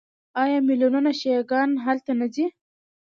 آیا میلیونونه شیعه ګان هلته نه ځي؟